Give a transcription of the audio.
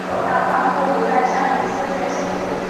水东哥为猕猴桃科水东哥属下的一个种。